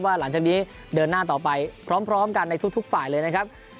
หลังจากนี้เดินหน้าต่อไปพร้อมกันในทุกฝ่ายเลยนะครับ